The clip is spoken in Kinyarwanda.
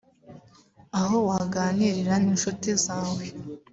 aho waganirira n’inshuti zawe